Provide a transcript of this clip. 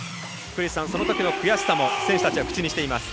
クリスさん、そのときの悔しさも選手たちは口にしています。